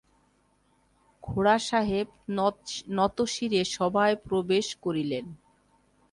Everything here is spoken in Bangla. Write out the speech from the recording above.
খুড়াসাহেব নতশিরে সভায় প্রবেশ করিলেন।